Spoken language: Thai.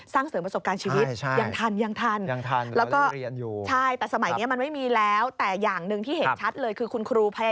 สร้างเสริมประสบการณ์ชีวิตยังทัน